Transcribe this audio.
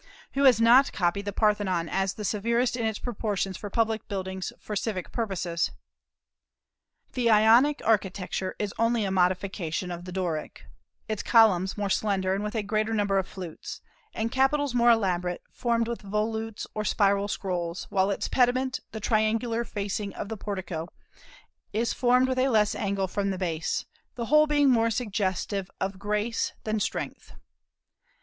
Who has not copied the Parthenon as the severest in its proportions for public buildings for civic purposes? The Ionic architecture is only a modification of the Doric, its columns more slender and with a greater number of flutes, and capitals more elaborate, formed with volutes or spiral scrolls, while its pediment, the triangular facing of the portico, is formed with a less angle from the base, the whole being more suggestive of grace than strength.